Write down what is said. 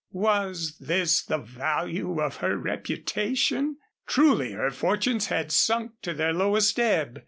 Was this the value of her reputation? Truly her fortunes had sunk to their lowest ebb.